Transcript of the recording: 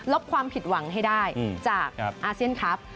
ความผิดหวังให้ได้จากอาเซียนครับ